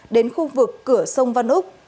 đến khu vực cửa sông văn úc